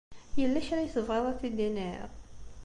Yella kra ay tebɣiḍ ad t-id-tiniḍ?